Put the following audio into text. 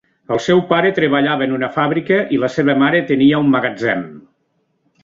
El seu pare treballava en una fàbrica i la seva mare tenia un magatzem.